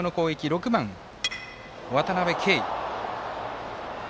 ６番、渡辺憩。